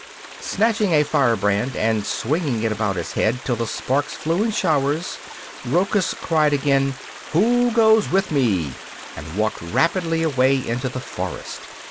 Snatching a firebrand and swinging it about his head till the sparks flew in showers, Rochus cried again: 'Who goes with me?' and walked rapidly away into the forest.